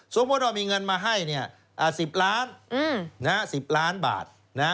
สมมุติว่ามีเงินมาให้๑๐ล้าน๑๐ล้านบาท